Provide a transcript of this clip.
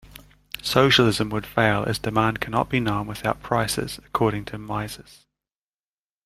Socialism would fail as demand cannot be known without prices, according to Mises.